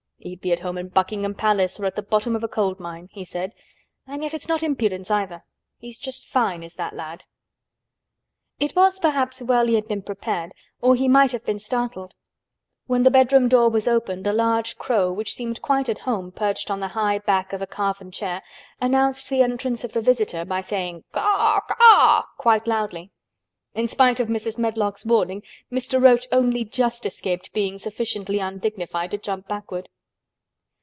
"He'd be at home in Buckingham Palace or at the bottom of a coal mine," he said. "And yet it's not impudence, either. He's just fine, is that lad." It was perhaps well he had been prepared or he might have been startled. When the bedroom door was opened a large crow, which seemed quite at home perched on the high back of a carven chair, announced the entrance of a visitor by saying "Caw—Caw" quite loudly. In spite of Mrs. Medlock's warning, Mr. Roach only just escaped being sufficiently undignified to jump backward.